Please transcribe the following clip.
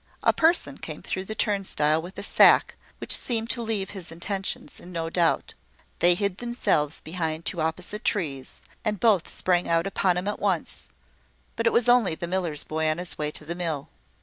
A person came through the turnstile with a sack, which seemed to leave his intentions in no doubt. They hid themselves behind two opposite trees, and both sprang out upon him at once: but it was only the miller's boy on his way to the mill.